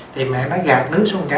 thì mẹ nó gạt nước xuống một cái